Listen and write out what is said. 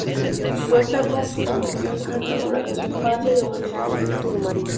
Westbrook compitió en karting durante su infancia y adolescencia.